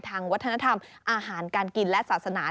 ทางวัฒนธรรมอาหารการกินและศาสนา